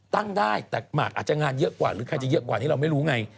ตั้งได้แต่หมากอาจจะงานเยอะกว่าหรือใครจะเยอะกว่านี้เราไม่รู้ไง